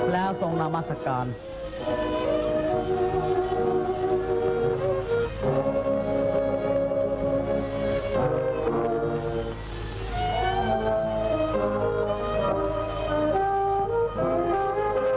และส่องประมีของภาคภารณา